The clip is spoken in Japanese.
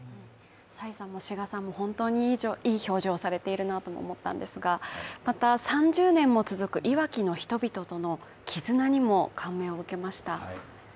蔡さんも志賀さんも本当にいい表情をされているなと思ったんですが、また３０年も続くいわきの人々との絆にも感銘を受けました。